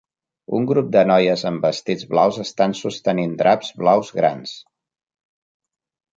Un grup de noies amb vestits blaus estan sostenint draps blaus grans.